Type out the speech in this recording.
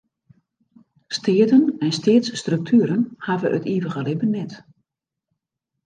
Steaten en steatsstruktueren hawwe it ivige libben net.